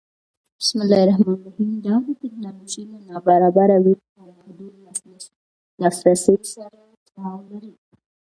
دا د ټکنالوژۍ له نابرابره وېش او محدود لاسرسي سره تړاو لري.